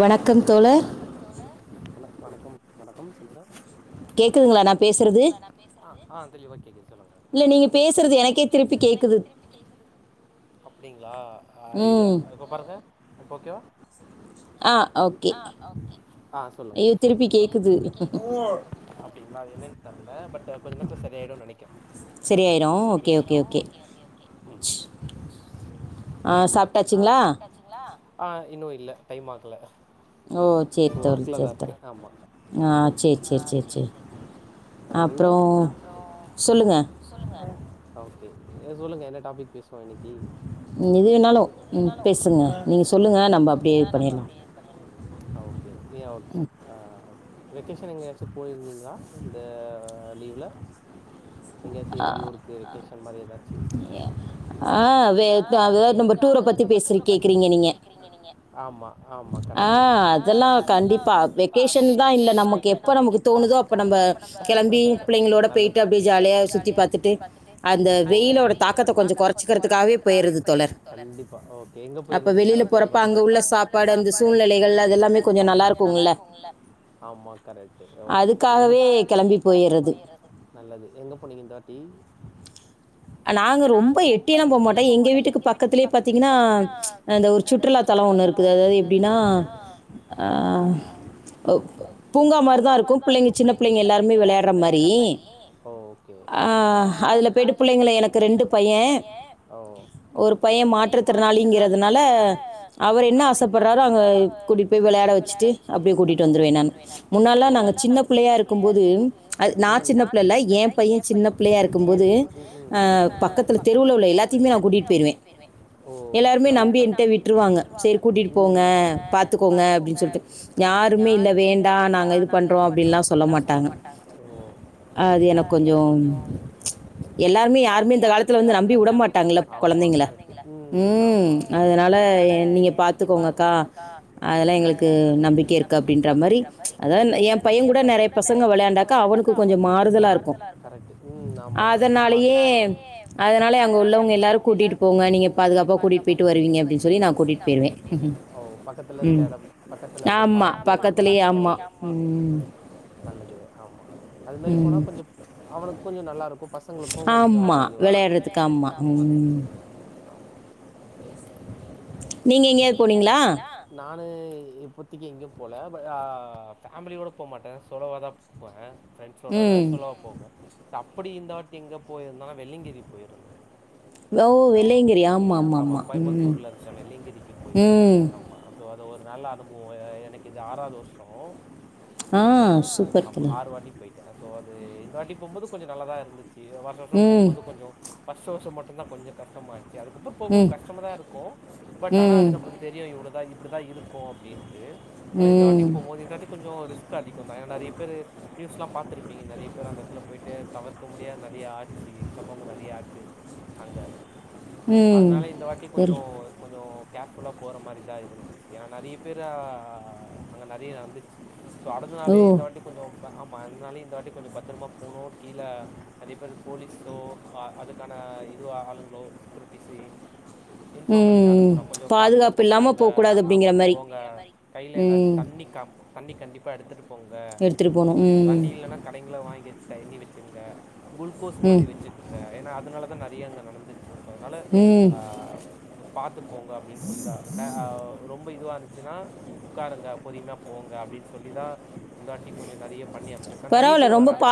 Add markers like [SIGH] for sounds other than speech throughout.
வணக் வணக் வணக்கம் வணக்கம் சொல்லுங்க ஆ தெளிவா கேக்குது சொல்லுங்க இல்ல நீங்க பேசுறது எனக்கே திருப்பி கேக்குது அப்டிங்ளா ஆ இல்ல இப்போ பாருங்க இப்போ ஓகேவா ஆ ஓகே ஐய்யோ திருப்பி கேக்குது அப்டிங்ளா அது என்னன் தெர்ல பட் கொஞ்ச நேரத்துல செரியாய்டு நெனைக்கிறே செரியாய்ரு ஓகே ஓகே ஓகே ஆ சாப் ஆ இன்னு இல்ல டைம் ஆகல ஓ சேரி தோழி சேரி தோழன் ஆ சேர் சேர் சேர் சேர் அப்றோ சொல்லுங்க ஓகே சொல்லுங்க என்ன டாபிக் பேசுவோ இன்னிக்கி எது வேணாலு ம் பேசுங்க நீங்க சொல்லுங்க நம்ம அப்டியே பண்ணிட்லா ஆ ஓகே யா ஓகே ஆ ஒ வெக்கேஷன் எங்கயாச்சு போய்ருந்தீங்ளா இந்த லீவ்ல எங்கயாச்சு வெளியூருக்கு வெக்கேஷன் மாரி எதாச்சு எ ஆ வே [UNINTELLIGIBLE] நம்ம டூர பத்தி பேசுற கேக்குறீங்க நீங்க ஆமா ஆமா கரெக்ட்டு இல்ல நமக்கு எப்ப நமக்கு தோணுதோ அப்ப நம்ப கெளம்பி புள்ளைங்ளோட போய்ட்டு அப்டியே ஜாலியா சுத் பாத்துட்டு அந்த வெயிலோட தாக்கத்த கொஞ்சோ கொறச்சுக்கிறதுக்காகவே போயிர்றது தோழர் கண்டிப்பா ஓகே எங்க போயிருந்தீங்க அதப் பத்தி பேசலா ஆமா கரெக்ட்டு ஓகே எங்கப் நல்லது எங்க போனீங்க இந்தவாட்டி நாங்க ரொம்ப எட்டியெல்லாம் போகமாட்டோம் எங்க வீட்டுக்கு பக்கத்துலயே பாத்தீங்கன்னா அ அந்த ஒரு சுற்றுலாத்தலம் ஒன்னு இருக்குது அதாவது எப்டின்னா ஆ ஒப் பூங்கா மாரிதான் இருக்கும் பிள்ளைங்க சின்னப் பிள்ளைங்க எல்லாருமே வெளாடுற மாரி ஓ ஓகே அ அதுல போய்ட்டு அதுல போயிட்டு பிள்ளைங்கள எனக்கு ரெண்டு பையன் ஒரு பையன் மாற்றுத்திறனாளிங்கிறதுனால அவர் என்ன ஆசப்படுறாரோ அங்க கூட்டி போய் வெளாட வச்சுட்டு அப்டியே கூட்டிட்டு வந்துருவேன் நானு முன்னால்லாம் நாங்க சின்னப் பிள்ளையா இருக்கும்போது அது நான் சின்ன பிள்ளைல்ல என் பையன் சின்ன பிள்ளயா இருக்கும் போது அ பக்கத்துல தெருவுல உள்ள எல்லாத்தையுமே நா கூட்டிட்டு போய்ருவே எல்லோருமே நம்பி என்ட்ட விட்ருவாங்க சேரி கூட்டிட்டு போங்க பாத்துக்கோங்க அப்டின் சொல்ட்டு யாருமே இல்ல வேண் வேண்டா நாங்க இதுப்பண்றோ அப்டின்லா சொல்ல மாட்டாங்க ஓ அது எனக் கொஞ்சோ எல்லாருமே யாருமே இந்த காலத்துல வந்து நம்பி வுடமாட்டாங்கள கொழந்தைங்கள ம் அதனால நீங்க பார்த்துக்கோங்கக்கா அதெல்லாம் எங்களுக்கு நம்பிக்க இருக்கு அப்டின்ற மாரி மாரி அதெல்லா இல்ல என் பையங் கூட நறைய பசங்க வெளையாண்டாக்கா அவனுக்கு கொஞ்சோ மாறுதலா இருக்கும் கரெக்ட்டு ம் ஆமா அம்மாட் கூட்டிட்டு போங்க நீங்க பாதுகாப்பா கூட்டிட்டு போயிட்டு வருவீங்க அப்டின்னு சொல்லி நான் கூட்டிட்டு போயிருவேன் ஓ பக்கத்துல இருக்க எடம் பக்கத்துல இருக்க பார்க்கு அது மாரி ஓ நல்லது ஆமா அது மாரி போனா கொஞ்சம் அவனுக்கு கொஞ்சம் நல்லாயிருக்கும் ஆமா வெளையாடுறதுக்கு ஆமா ம் ஆமா நீங்க எங்கயாது போனீங்களா நானு இப்போத்திக்கு எங்கேயும் போல பட் ஆ ஃபேமிலியோட போ மாட்டேன் சோலோவா தான் போவேன் ஃப்ரெண்ட்ஸோட இல்ல சோலோவா போவேன் ச அப்டி இந்தவாட்டி எங்கே போயிருந்தோ வெள்ளங்கிரி போயிருந்தோம் ஓ வெள்ளையங்கிரி ஆமா ஆமா ஆமா ம் இப்போயிருந்தோ ஆமா அது ஒரு நல்ல அனுபவம் எனக்கு இது ஆறாது வர்ஷோம் ஆ சூப்பர் தோழி போயிட்டேன் சோ அது இந்த வாட்டி போம்போது கொஞ்சோம் நல்லா தா இருந்துச்சு வருஷ வருஷம் போகும்போது கொஞ்சோ ஃபஸ்ட்டு வர்ஷோ மட்டுந்தான் கொஞ்சோ கஷ்டமா இருந்துச்சு அதுக்கப்புறம் போகவும் கஷ்டமா தான் இருக்கும் தானா அது நம்பளுக்கு தெரியும் இவ்ளோ தான் இப்டிதான் இருக்கும் அப்டின்ட்டு ஆனா இந்த வாட்டியும் போம்போது இந்த வாட்டி கொஞ்சோ ரிஸ்க் அதிகம் தான் ஏன்னா நெறைய பேரு நியூஸ்ல்லாம் பாத்துருப்பீங்க நறைய பேர் அந்த எடத்துல போய்ட்டு தவிர்க்க முடியாத நெறைய ஆச்சு சம்பவம் நெறைய ஆச்சு அங்க அதனால இந்த வாட்டி கொஞ்சோ கொஞ்சோ கேர்ஃபுல்லா போற மாரி தான் இருந்துச்சு ஏன்னா நெறைய பேர் அங்கே நெறைய நடந்துச்சு சோ அடந்தனாலையும் இந்த வாட்டி கொஞ்சோ ப ஆமா அதனாலையும் இந்த வாட்டி கொஞ்சோ பத்திரமா போணும் கீழ அதேப் போல போலீஸோ அ அதுக்கான இது ஆளுங்களோ செக்யூரிட்டிஸ் ம் ம் கொஞ்சோம் பாதுகாப்பா போங்க ஆமா போங்க கைல ஏதாச்சு தண்ணி ண்ணி கம் தண்ணி கண்டிப்பா எடுத்துட்டு போங்க தண்ணி இல்லேன்னா கடைங்கள்ல வாங்கி வச்சு தா எண்ணி வச்சுங்க குள்கோஸ் மாரி வச்சுக்கங்க ஏனா அதனால தான் நெறைய அங்க நடந்து சேஃப் அதனால அ அங்க பாத்து போங்க அப்டின்னு சொல்லிதான் த அ ரொம்ப இதுவா இருந்துச்சுன்னா உக்காருங்க பொரியமா போங்க அப்டின்னு சொல்லிதா இந்த வாட்டி கொஞ்ச நெறைய பண்ணி அம்ச்சிருக்க நெறைய பேர் வராங்க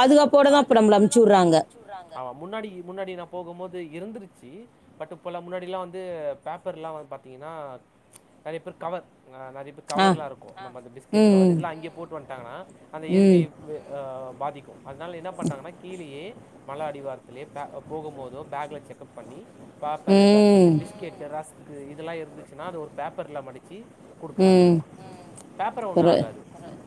ஆமா முன்னாடி முன்னாடி நா போகும் போது இருந்துருச்சு பட் இப்பல முன்னாடில்லா வந்து பேப் பர்ல்லா வந்து பாத்தீங்கன்னா நெறைய பேர் கவர் ஆ நெறைய பேர் கவர்ரலா இருக்கு நம்ம அந்த பிஸ்கெட் கவர் இதெல்லா அங்கே போட்டு வண்ட்டாங்கன்னா அந்த இயற்கையை வ் அ பாதிக்கு அதனால என்ன பண்றாங்கன்னா கீழயே மல அடிவாரத்துலயே போகும் போதோ பேக்ல செக்கப் பண்ணி பேப்பர் ஏதாச்சு இருந்துச்சு பிஸ்கெட்டு் ரஸ்க் இதெல்லா இருந்துச்சுன்னா அது ஒரு பேப்பர்ல மடிச்சு குடுக்குறாங்க நம்ளுக்கு பேப்பர் ஒண்ணு ஆகாது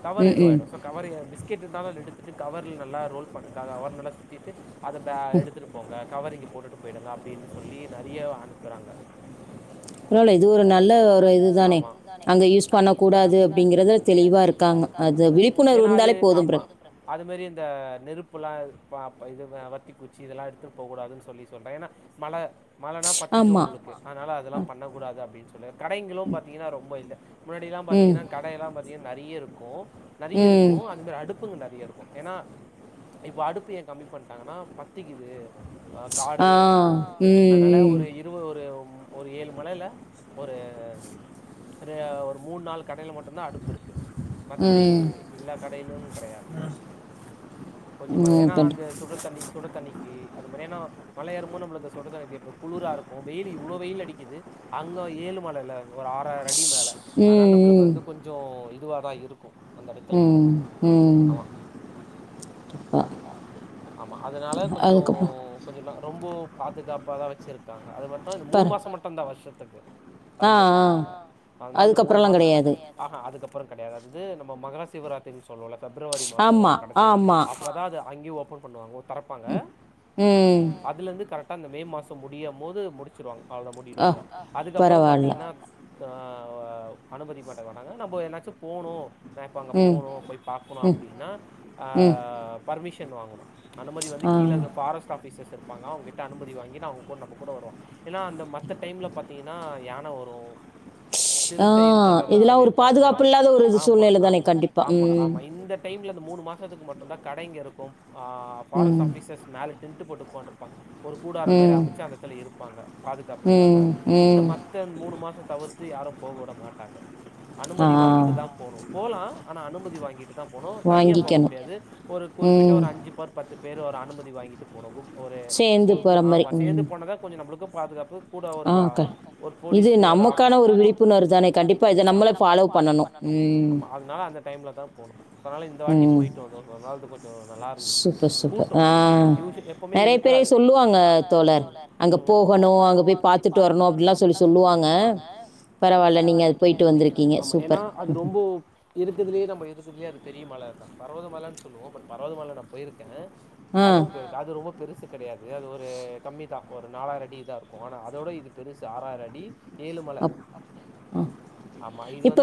கவர் இது ஆயிடு சொ கவர் ஏ பிஸ்கெட் இருந்தாலு அதுல எடுத்துட்டு கவர்ல நல்லா ரோல் பண்ண க கவர் நல்லா சுத்திட்டு அதை பே எடுத்துட்டு போங்க கவர் இங்கு போட்டுட்டு போயிடுங்க அப்படின்னு சொல்லி நெறைய அனுப்புறாங்க பரவால்ல இது ஒரு நல்ல ஒரு இது தானே அங்கே யூஸ் பண்ணக்கூடாது அப்படிங்கறதல தெளிவா இருக்காங்க ஏன்னா அது ஆமா அது மாாரி இந்த நெருப்புல்லா பா பா இது வத்தி குச்சி இதெல்லா எடுத்துட்டு போகக் கூடாதுன்னு சொல்லி சொல்றே ஏன்னா மழ மழன்னா பத்திக்கு உங்களுக்கு அதனால அதெல்லா விழக் கூடாது அப்பிடின் சொல்லி கடைங்களு பாத்தீங்கன்னா ரொம்ப இல்ல முன்னாடில்லா பாத்தீங்கன்னா கடைல்லா பாத்தீங்கன்னா நெறைய இருக்கு நெறைய இருக்கு அது மாரி அடுப்பு ப்புங்க நெறைய இருக்கு ஏன்னா இப்ப அடுப்பு ஏ கம்மி பண்ட்டாங்கன்னா பத்திக்குது காடு அதனால ஒரு இருப ஒரு ஒரு ஏழு மலையில ஒரு ரே ஒரு மூண் நாள் கடையில மட்டுந்தா அடுப்புருக்கு மத்தபடி எல்லா கடையிலும் கெடையாது கொஞ்சமா தா ஏன்னா அந்த சுடு தண்ணி சுடு தண்ணிக்கு அது மாரி ஏன்னா மலை ஏறும்போ நம்மளுக்கு சொறதா கேப்ப குளிர இருக்கு வெயில்லு இவ்ளோ வெயில் அடிக்குது அங்க ஏழு மலைல ஒரு ஆறாய அடி மேல அதனால நம்மளுக்கு வந்து கொ ஞ்சோ இதுவாதா இருக்கு ம் ம் ஆமா அதனால கொஞ்சோ கொஞ்சோ நா ரொம்போ பாதுகாப்பாதா வச்சிருக் காங்க அது மட்டு இந்த மூணு மாச மட்டந்தா இந்த வருஷத்துக்கு தறந்து வாப்பாங்கல்ல அதனா இந்த மூணு மாச அஹா அதுக்கப்பறோ கெடையாது அதாவது நம்ம மகர சிவராத் துன் சொல்வோல பிப்ரவரி மாச வரு கடைசியில அப்பதா அங்கயே ஓபன் பண்ணுவாங்க தரப் ங்க அதுலருந்து கரெக்டா அந்த மே மாச முடியம் போது முடிச்சிருவாங்க அவ்ளத மூடிடுவாங்க அதுக்கப்பறம் பாத்தீங்கன்னா ஆ ஆ அனுமதிக்க மாட்டே வேண்டாங்க நம்ம ஏனாச்சு போணு நா இப்போ அங்கே போணு போய் பாக்கணு அப்படின்னா ஆ பர்மிஷன் வாங்கணு அனுமதி வந்து கீழ இருக்கு ஃபாரஸ்ட் ஆபீசர்ஸ் இருப்பாங்க அவங்ககிட்ட அனுமதி வாங்கி நா அவங்க கூ நம்ம கூட வருவோ ஏன்னா அந்த மத்த டைம்ல பாத்தீங்கன்னா யான வரு சிறுத்த இருக்குன்ற மாரி சொல்லியிருக்காங்க ஆமா ஆமா ஆமா ஆமா இந்த டைம்ல அந்த மூணு மாசத்துக்கு மட்டுந்தா கடைங்க இருக்கு ஃபாரஸ்ட் ஆஃபீசர்ஸ் மேல டின்ட்டு போட்டு கொண்ட இருப்பாங் ஒரு கூடார மாரி அமைச்சு அந்தத்துல இருப்பாங்க பாதுகாப்புதுக்காக இந்த ம து அந் மூணு மாச தவிர்த்து யாரு போகவிட மாட்டாங்க அனுமதி வாங்கிட்டு தா போகனு போலா ஆனா அனுமதி வாங்கிட்டு தா போனு தனியா போக முடியாது ஒரு குறிப்பிட்ட ஒரு அஞ் போர் பத்து பேர் ஒரு அனுமதி வாங்கிட்டுப் போனகு ஒரு ஆமா சேந்து போனதா கொஞ்ச நம்மளுக்கு பாதுகாப்பு கூட ஒரு அ ஒரு போலீஸ்சு ஒரு ஆபிஸ் ஆமா ஆமா அதனால அந்த டைம்ல தா போனு அதனால இந்த வாட்டி போயிட்டு வந்தோ [UNINTELLIGIBLE] கொஞ் ஞ நல்லா இருந்துச்சு கூட்டோ யூஸ் எப்பவுமே இருக்காது நெறைய பேரு சொல்லு வாங்க தோழர் அங்க போகணு அங்க போய் பாத்துட்டு வரணு அப்படல்லா சொல்லி சொல்லுவாங்க பரவாயில்ல நீங்க அங்க போயிட்டு வந்து இருக்கிங்க ஆ ஏன்னா அது ரொம்போ இருக்குதுலயே நம்ம இருக்குதுலையே அது பெரிய மலே அதா பரவத மலேன்னு சொல்லுவோ பட் பரவதமலை நா போயிருக்கே அதுவும் போ அது ரொம்ப பெருசு கெடையாது அது ஒரு கம்மி தா ஒரு நாலாயிரடி தா இருக்கோ ஆனா அதோட இது பெருசு ஆறாயிரடி ஏழுமல ஆ இப்ப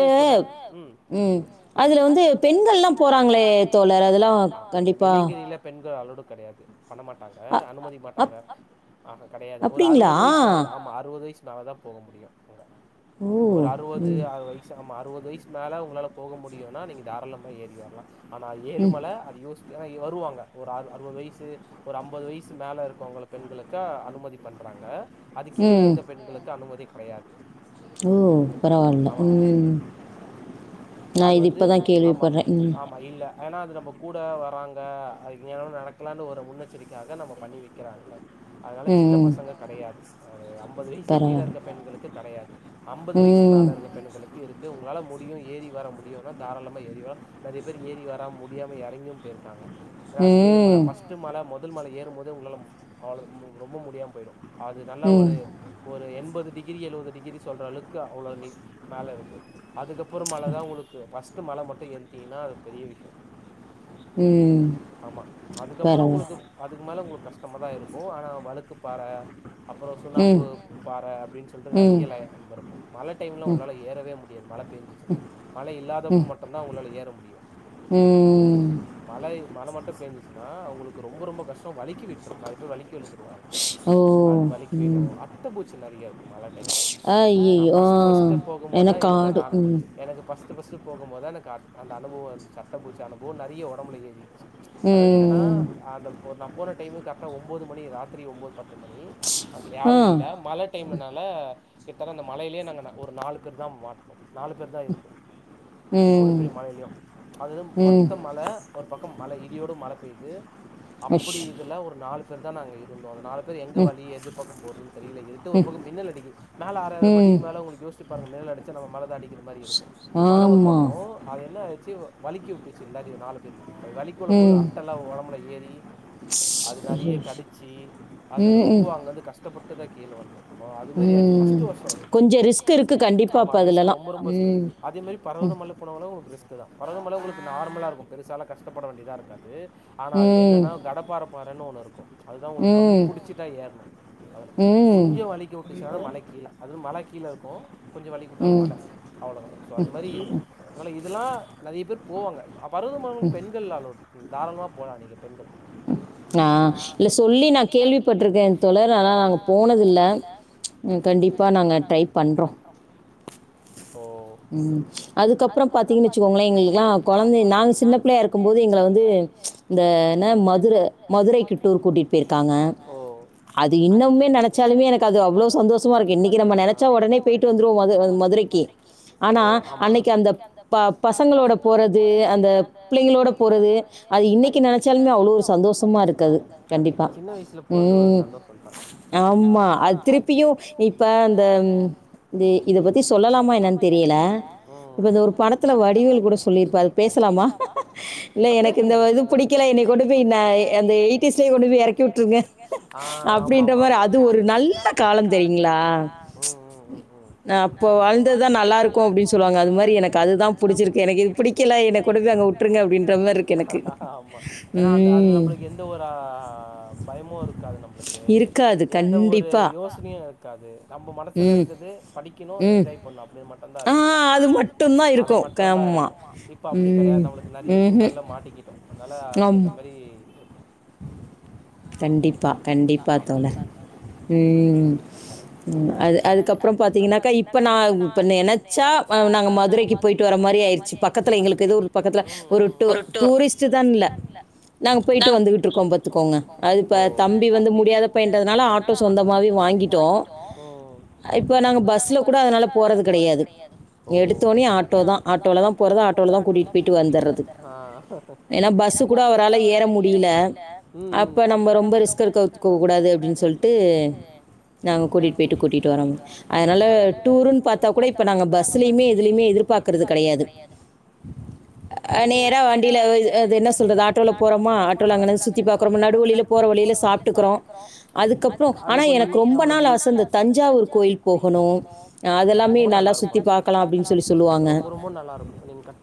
உம் அதுல வந்து பெண்கள் எல்லா போறாங்ளே தோலர் அதெலா கண்டிப்பா பெண்கள் அளோடு கெடையாது பண்ண மாட்டாங்க அனுமதிக் மாட்டாங்க அப் ஆ கெடையாது ஒரு அறுவது வைஸ் மேலதா அப்டிங்ளா ஆமா அறுவது வைஸ் நால தா போக முடியு அங்க ஒரு அறுபது வயசு ஆமா அறுவது வைஸ் மேல உங்களால போக முடியுனா நீங்க தாராளமா ஏறி வர்லா ஆனா ஏழுமல அத யோஸ் என்னா வருவாங்க ஒர் அறு அறுவது வையிசு ஒரு அம்பது வயிசு மேலயிருக்கவங்கள பெண்களுக்கு அனுமதி பண்றாங்க அது கீல இருகுற பெண்களுக்கு அனுமதி கெடயாது ஓ பரவால்ல உம் நா இது இப்ப தா கேள்விப்பட்ற ம் வழியில்ல ஏனா அது நம்ம கூட வராங்க இய்யனோ நடக்கலா ஒரு முன்னெச்சரிக்கையாக நம்ம பண்ணி வெக் கிறாங்காங்க அதனால சின்ன பசங்க கெடையாது அ ஐம்பது வயசு கீழே இருக்கற பெண்களுக்கு கெடையாது அம்பது வயசு மேல இருற பெண்களுக்கு இருக்கு உங்களால முடியு ஏறி வர முடியுனா தாராளமன ஏறி வ நெறைய பேர் ஏறி வர முடியாம இறங்கியு போயிருக்காங்க ஏன்னா அது ஏது மலை ஃபஸ்ட்டு மலை மொதல் மலே பஸ்ட்டு மலே ஏறும் போதே உங்களால அவ ரொம்ப முடியாம போயிடு அது நல்லா ஒரு ஒரு எண்பது டிகிரி எழுவது டிகிரி சொல்ற அளவுக்கு அவ்ளோ நில் மேலயிருக்கோ அதுக்கப் மல தா உங்களுக்கு ஃபஸ்ட்டு மல மட்டு ஏறிட்டீங்கன்னா அது பெரிய விஷ்யோ ஆமா அதுக்கப்பறோ உங்களுக்கு அதுக்கு மேல உங்ளுக்கு கஷ்டமா தா இயிருக்கு ஆனா வலக்குப் பாற அப்றோ சுண்ணாம்பு பாற அப்டின் சொல்ட்டு நறைய லைம்யிருக்கோ மல டைம்லா உங்களால ஏறவே முடியாது மல பெஞ்ச்சுன்னா இல்லாதப்போ மட்டும்தா அவங்களால ஏற முடியு உம் மழை மல மட்டு பெஞ்ச்சுன்னா உங்களுக்கு ரொம்ப ரொம்ப கஷ்டோ வலிக்கி விட்ரு நறைய பேர் வலிக் கெழுந்துருவாங்க அது வலிக்கிவிலு அட்டப்பூச்சி நறையயிர்க்கு மழ டைம்ல அய்யயோ எனாக்காடு உம் எனக்கு ஃபஸ்ட்டு ஃபஸ்ட்டு போகும் போது எனக்கு அட் அந்த அனுபவோ இருந்துச்சு அட்டபூச்சி அனுபவ் நெறிய ஒடம்புல ஏறிச்சு அதாது என்னன்னா அந்தப் போ நா போன டைமு கரெக்டா ஒம்பது மணி ராத்திரி ஒம்பது பத்து மணி அங்க யாரு இல்ல மலட் டைம்லனால கிட்டத்த அந்த மழையிலயே நாங்க ஒர் நாலு பேர் தா மாட்னோ நாலுப் பேர் தாயிருந்தோ அவ்ளோ பெரிய மழைலியு அதது மொத்த மல ஒரு பக்கோ மல இடியோடு மல பெய்து அப்படியிருந்த ஒரு நாலு பேர் தா நாங்கயிருந்தோ அந்த நாலு எங்க வழி எதுப்பக்கோ போறதுன் தெரில இருட்டா ஒருப்பக்கோ மின்னல் அடிக்கிது மேல அறமடி மேல உங்களுக்கு யோசிச்ப்பாருங்க மேல அடிச்ச நம்ம மேலத அடி மாரி இருக்கு மல ஒரு பக்கோ அது என்ன ஆச்சு வலிக்கி விட்டுருச்சு நாலு பேரையு வலிக்கி விழும்போது அட்டெல்லா ஒடம்புல ஏறி அது நெறய கடிச்சி அது ரொம்ப அங்கந்து கஷ்டப்பட்டுதா கீழ வந்தோ ம் கொஞ்சோ ரிஸ்க்யிருக்கு கண்டிப்பா அப்போ அதுலல்லா மம் பஸ்க்கு அதே மாரி பரவதமல் ள போனாலு உங்களுக்கு ரிஸ்க்தா பழனி மல உங்களுக்கு நார்மலாருக்கு பெருசால கஷ்டப்பட வேண்டியதாயிருக்காது ஆனா அதுல என்னனா கடப்பாற பாறன் ஒண்ணு இருக்கு அது தா உங்களுக் கம்பி புடிச்சிட்டா ஏற்னு அதுல கொஞ்சோ வலிக்கி உட்டுச்சுனாலு மல கீழ அதுவு மல கீழயிருக்கு கொஞ்சோ வலிக்கிவிட்டாலு மல அவ்ளோதா சோ அது மாரியிருக் அதனால இதலா நெறய பேர் போவாங்க பருவமானங்கள் பெண்கள் அலோட் தாரளமா போலா நீங்க பெண்கள் நா இல்ல சொல்லி நா கேள்விப்பட்ருக்க தோழர் ஆனா அங்க போனதில்ல கண்டிப்பா நாங்க ட்ரை பண்றோ ஓ ம் அதுக்கப்பற பாத்தீங்கன் வச்சுக்கோங்களே எங்களுக்கெல்லா கொழந்தை நாங்க சின்ன பிள்ளையா இருக்கு போது எங்கள வந்து இந்த என்ன மதுர மதுரைக்கு டூர் கூட்டிட் போய்ருக்காங்க அது இன்னுமே நெனச்சாலுமே எனக்கு அது அவ்ளோ சந்தோஷமா இருக்கு இன்னைக்கு நம்ப நெனச்சா உடனே போய்ட்டு வந்துடுவோ மது மதுரைக்கு ஆனா அன்னைக்கு அந்த ப பசங்களோட போறது அந்த பிள்ளைங்களோட போறது கரெக்ட் சின்ன வயசுல போறது ஒரு சந்தோஷ ஆமா அது திருப்பியு இப்ப அந்த இ இத பத்தி சொல்லலாமா என்னானு என்னன் தெரியல இப்ப ஒரு படத்துல வடிவேல் கூட சொல்லிருப்பாரு பேசலாமா இல்ல எனக்கு இந்த இது புடிக்கல என்னைய கொண்டு போய் நா அந்த எயிட்டிஸ்லயே கொண்டு போய் எறக்கி வி்ட்ருங்க அது ஒரு நல்ல காலம் தெரியுங்ளா நா. அப்போ வாழ்ந் வாழ்ந்ததுதா நல்லாருக்கு அப்டின் சொல்வாங்க அது மாரி எனக்கு அதுதா புடிச்சிருக்கு இது எனக்கு புடிக்கல என்ன கொண்டு போய் அங்க விட்ருங்க அப்பங்க ஆமா ஏன்னா அந்த அதுல நம்மளுக்கு எந்த ஒரு பயமு இருக்காது நம்மளுக்கு எந்த ஒரு யோசனயு இருக்காது நம்ம மனசுல இருக்குறது படிக்கணு என்ஜாய் ஒன்னு அப்டி மட்டுந்தாருக்கு அது மட்டுதாயிருக்கு இப்ப அப்டி கெடையாது நம்ளுக்கு நெறய சூழ்ல்ல மாட்டிக்கிட்டோ அதனால அதுக்கேத்த மாரி கண்டிப்பா கண்டிப்பா தோழர் ம் அது அதுக்கப்றோ பாத்தீங்கனாக்கா இப்ப நா இப்ப நெனச்சா நாங்க மதுரைக்கி போய்ட்டு வர மாரி ஆய்ர்ச்சு பக்கத்துல எங்களுக்கு எதுவுர் பக்கத்துல ஒரு டூ டூரிஸ்ட்டுதானில்ல நாங்க போய்ட்டு வந்துகிட்டு இருக்கோ பாத்துக்கோங்க அது தம்பி வந்து முடியாத பையன்றதுனால ஆட்டோ சொந்தமாவே மாவே வாங்கிட்டோ இப்போ நாங்க பஸ்ல கூட அதனால போறது கெடையாது எடுத்தோனே ஆட்டோதா தா ஆட்டோலதா போறது ஆட்டோலதா கூட்டிட்டு போய்ட்டு வந்துர்ரா ஏனா பஸ் கூட அவரால ஏற முடில அப்ப நம்ம ரொம்ப ரிஸ்க் இருக்க கூடாது அப்டின் சொல்ட்டு நாங்க கூட்டிட்டு போய்ட்டு கூட்டிட்டு வரோங்க அதனால டூருன் பாத்தா கூட இப்ப நாங்க பஸ்லயுமே எதுலயுமே எதிர்பா எதிர்பாக்குறது கெடையாது நேரா வண்டில அது என்ன சொல்றது ஆட்டோல போறோமா ஆட்டோல அங்குனயே சு தி பாக்குறோ நடுவழியில போற வழியில சாப்ட்டுக்குறோ அதுக்கப்பற ஆனா எனக்கு ரொம்ப ரொம்ப நாள் ஆச இந்த தஞ்சாவூர் கோயில் போகணு அதெல்லாமே நல்லா சுத்தி பாக்கலா அப்டின் சொல்லி சொல்லுவாங்க ரொம்ப நல்லா இருக்கு நீங்க க